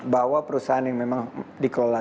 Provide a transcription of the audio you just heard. bahwa perusahaan yang memang dikelola